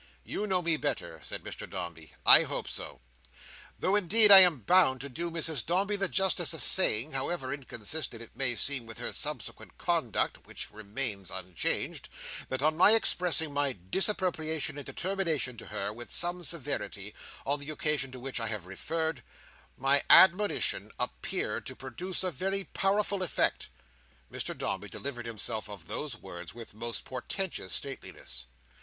"You know me better," said Mr Dombey. "I hope so. Though, indeed, I am bound to do Mrs Dombey the justice of saying, however inconsistent it may seem with her subsequent conduct (which remains unchanged), that on my expressing my disapprobation and determination to her, with some severity, on the occasion to which I have referred, my admonition appeared to produce a very powerful effect." Mr Dombey delivered himself of those words with most portentous stateliness.